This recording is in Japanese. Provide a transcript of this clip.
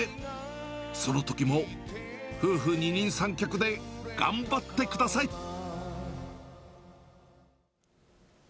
そのときも、夫婦二人三脚で頑張ってください。